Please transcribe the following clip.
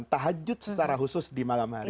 tahajud secara khusus di malam hari